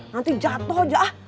nanti jatuh aja ah